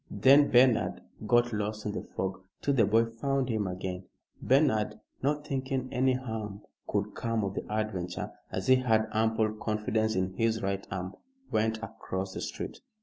Then Bernard got lost in the fog till the boy found him again. Bernard, not thinking any harm could come of the adventure, as he had ample confidence in his right arm, went across the street.